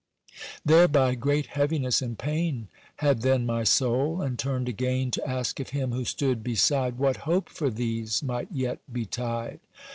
Thereby great heaviness and pain Had then my soul, and turned again To ask of him who stood beside What hope for these might yet betide.